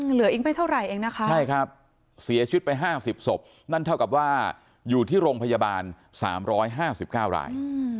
เหลืออีกไม่เท่าไหร่เองนะคะใช่ครับเสียชีวิตไป๕๐ศพนั่นเท่ากับว่าอยู่ที่โรงพยาบาล๓๕๙ราย